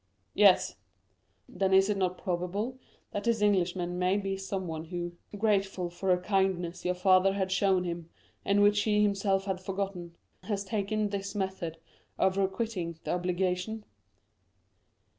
"Yes." "Then is it not probable that this Englishman may be someone who, grateful for a kindness your father had shown him, and which he himself had forgotten, has taken this method of requiting the obligation?"